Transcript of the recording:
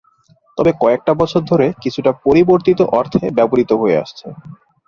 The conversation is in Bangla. তবে কয়েক বছর ধরে কিছুটা পরিবর্তিত অর্থে ব্যবহৃত হয়ে আসছে।